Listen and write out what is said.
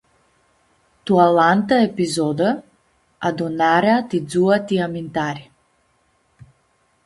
Tu alantã epizodã, adunarea ti dzua ti amintari.